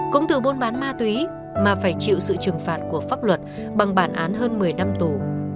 cũng từ buôn bán ma túy mà phải chịu sự trừng phạt của pháp luật bằng bản án hơn một mươi năm tù